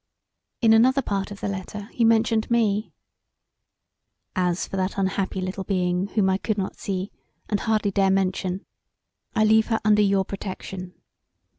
In another part of the letter he mentioned me "As for that unhappy little being whom I could not see, and hardly dare mention, I leave her under your protection.